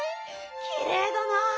きれいだなあ。